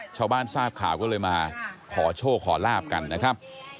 ชาวบ้านทราบข่าวก็เลยมาขอโชคขอลาบกันนะครับ